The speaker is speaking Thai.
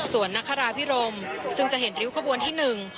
ส่วนนักคาราพิรมซึ่งจะเห็นริ้วขบวนที่หนึ่ง